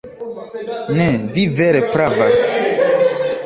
Ne, vi vere pravas.